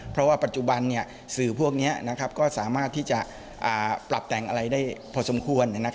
เพราะว่าปัจจุบันสื่อพวกนี้ก็สามารถที่จะปรับแต่งอะไรได้พอสมควร